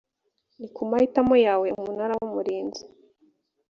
ni ku mahitamo yawe umunara w’umurinzi